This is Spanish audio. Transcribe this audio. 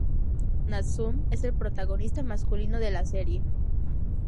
Natsume es el protagonista masculino de la serie.